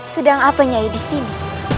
sedang apa nyai disini